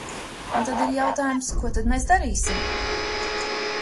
Un tad ir jautājums: ko tad mēs darīsim?